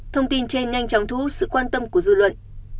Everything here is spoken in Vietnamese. thông tin trên nhanh chóng thu hút sự quan tâm của dư luận